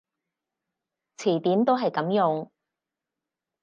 詞典都係噉用